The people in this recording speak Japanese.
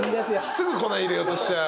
すぐ粉入れようとしちゃう。